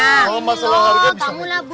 kalau masalah harga bisa negok